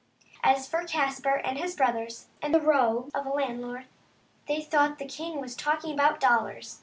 As for Caspar and his brothers and the rogue of a landlord, they thought that the king was talking about dollars.